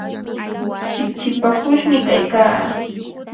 chikchipakushmi kaykaa.